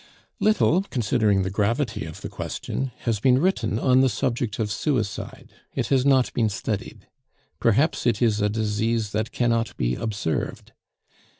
Little, considering the gravity of the question, has been written on the subject of suicide; it has not been studied. Perhaps it is a disease that cannot be observed.